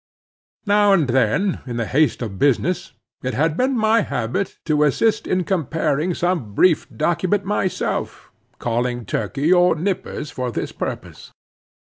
Now and then, in the haste of business, it had been my habit to assist in comparing some brief document myself, calling Turkey or Nippers for this purpose.